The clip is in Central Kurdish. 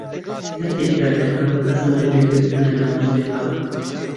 کاتێک کار دەکەم، حەزم لە گوێگرتنە لە مۆسیقا.